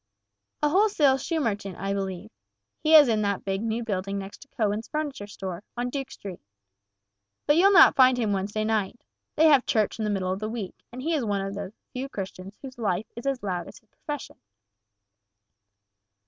"A wholesale shoe merchant, I believe. He is in that big new building next to Cohen's furniture store, on Duke Street. But you'll not find him Wednesday night. They have Church in the middle of the week, and he is one of the few Christians whose life is as loud as his profession."